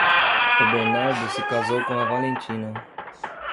O Bernardo se casou com a Valentina.